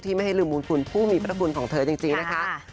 ที่ไม่ให้ลืมมูลภูมิพระคุณของเธอยังจริงนะคะ